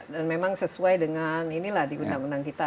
dan memang sesuai dengan ini lah di undang undang kita